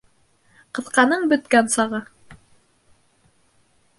Ҡыҫҡаның бөткән сағы.